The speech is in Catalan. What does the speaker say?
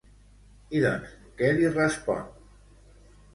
I doncs, què li respon?